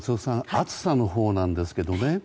暑さのほうなんですけどね。